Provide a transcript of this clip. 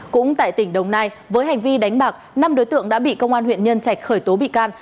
cũng tại tỉnh đồng nai với hành vi đánh bạc năm đối tượng đã bị công an huyện nhân trạch khởi tố bị can